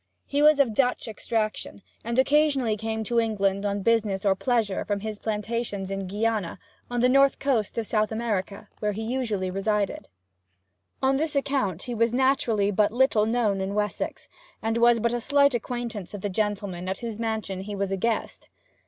He was of Dutch extraction, and occasionally came to England on business or pleasure from his plantations in Guiana, on the north coast of South America, where he usually resided. On this account he was naturally but little known in Wessex, and was but a slight acquaintance of the gentleman at whose mansion he was a guest.